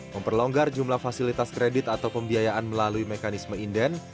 memperlonggar jumlah fasilitas kredit atau pembiayaan melalui mekanisme inden